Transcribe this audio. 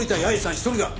一人だ。